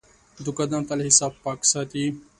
دوکاندار تل حساب پاک ساتي.